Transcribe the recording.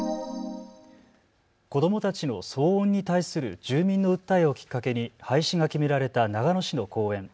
子どもたちの騒音に対する住民の訴えをきっかけに廃止が決められた長野市の公園。